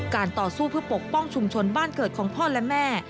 ต่อสู้เพื่อปกป้องชุมชนบ้านเกิดของพ่อและแม่